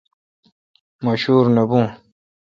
مہ شور نہ بھون